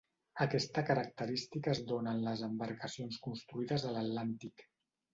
Aquesta característica es dóna en les embarcacions construïdes a l'Atlàntic.